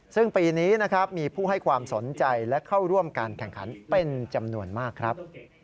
ซึ่งปีนี้นะครับมีผู้ให้ความสนใจและเข้าร่วมการแข่งขันเป็นจำนวนมากครับ